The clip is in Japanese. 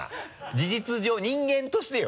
事実上人間としてよ？